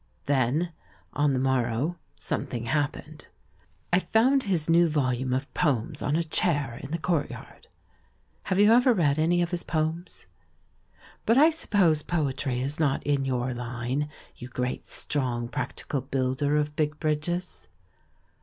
Then, on the mor row, something happened — I found his new vol ume of poems on a chair in the courtyard. Have you ever read any of his poems ? But I suppose poetry is not in your line, you great, strong, prac tical builder of big bridges?